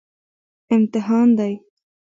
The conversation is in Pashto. امتحان دی